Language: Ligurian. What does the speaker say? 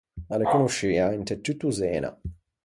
A l’é conosciua inte tutto Zena.